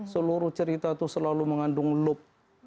seluruh cerita itu selalu mengandung loop